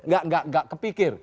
gak gak gak kepikir